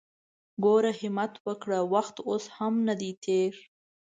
ګوره همت وکړه! وخت اوس هم ندی تېر!